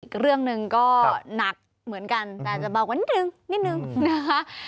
อีกเรื่องหนึ่งก็หนักเหมือนกันแต่อาจจะเบากว่านิดนึงนิดนึงนะคะ